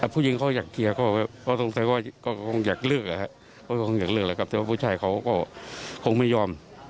ผู้หญิงเขาอยากเคลียร์ก็คงอยากเลือกเลยครับแต่ว่าผู้ชายเขาก็คงไม่ยอม